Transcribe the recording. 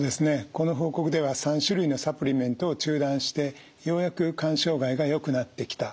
この報告では３種類のサプリメントを中断してようやく肝障害がよくなってきたということのようです。